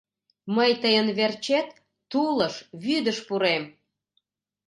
Мый тыйын верчет тулыш, вӱдыш пурем.